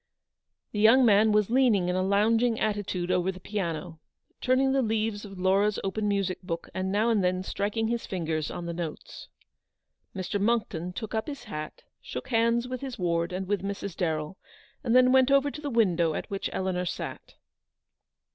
The young man was leaning in a loungiug attitude over the piano, turning the leaves of Laura's open music book, and now and then striking his fingers on the notes. Mr. Monckton took up his hat, shook hands with his ward and with Mrs. Darrell, and then went over to the window at which Eleanor sat.